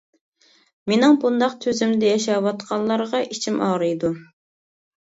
مېنىڭ بۇنداق تۈزۈمدە ياشاۋاتقانلارغا ئىچىم ئاغرىيدۇ.